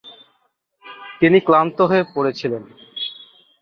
তিনি ক্লান্ত হয়ে পড়েছিলেন।